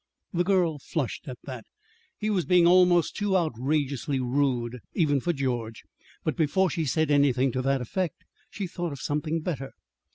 The girl flushed at that. He was being almost too outrageously rude, even for George. But before she said anything to that effect, she thought of something better.